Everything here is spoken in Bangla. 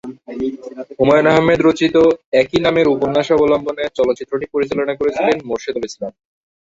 হুমায়ূন আহমেদ রচিত "একই নামের" উপন্যাস অবলম্বনে চলচ্চিত্রটি পরিচালনা করেছেন মোরশেদুল ইসলাম।